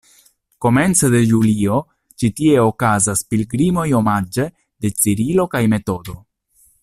Komence de julio ĉi tie okazas pilgrimoj omaĝe de Cirilo kaj Metodo.